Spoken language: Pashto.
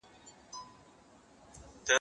زه اوږده وخت د سبا لپاره د سوالونو جواب ورکوم..